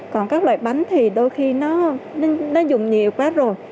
còn các loại bánh thì đôi khi nó dùng nhiều quá rồi